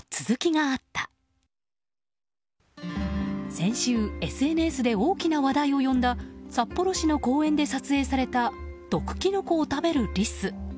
先週、ＳＮＳで大きな話題を呼んだ札幌市の公園で撮影された毒キノコを食べるリス。